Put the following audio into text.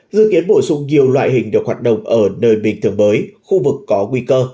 dự kiến bổ sung nhiều loại hình được hoạt động ở nơi bình thường mới khu vực có nguy cơ